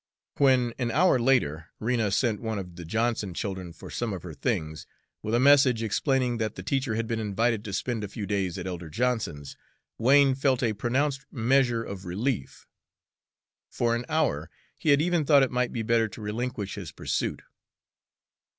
When, an hour later, Rena sent one of the Johnson children for some of her things, with a message explaining that the teacher had been invited to spend a few days at Elder Johnson's, Wain felt a pronounced measure of relief. For an hour he had even thought it might be better to relinquish his pursuit.